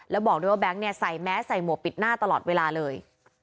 แล้วบอกด้วยว่าแก๊งเนี่ยใส่แมสใส่หมวกปิดหน้าตลอดเวลาเลย